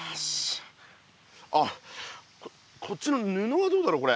あこっちのぬのはどうだろう？